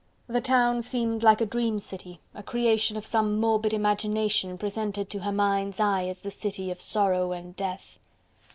The town seemed like a dream city, a creation of some morbid imagination, presented to her mind's eye as the city of sorrow and death.